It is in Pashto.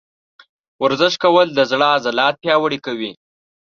ورزش کول د زړه عضلات پیاوړي کوي.